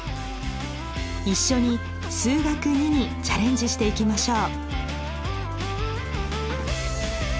一緒に「数学Ⅱ」にチャレンジしていきましょう。